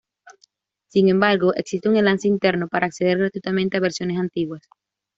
Sin embargo, existe un enlace interno para acceder gratuitamente a versiones antiguas.